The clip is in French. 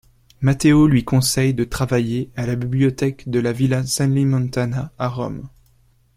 Matteo lui conseille de travailler à la bibliothèque de la Villa Celimontana à Rome.